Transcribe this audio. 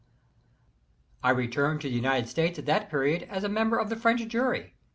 I returned to the United States at that period as a member of the French Jury.